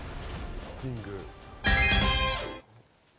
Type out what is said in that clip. スティング。